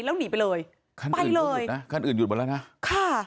แล้วหนีไปเลยคันนี้ไปเลยนะคันอื่นหยุดหมดแล้วนะค่ะ